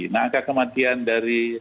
nah angka kematian dari